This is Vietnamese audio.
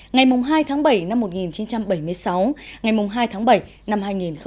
ngày hai tháng bảy năm một nghìn chín trăm bảy mươi sáu ngày hai tháng bảy năm hai nghìn một mươi chín